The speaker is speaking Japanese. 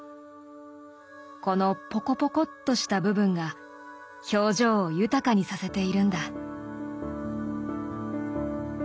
このポコポコっとした部分が表情を豊かにさせているんだ。